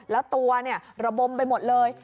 แล้วตัวระบมไปหมดเลย